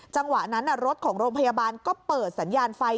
จังหวะนั้นรถของโรงพยาบาลก็เปิดสัญญาณไฟ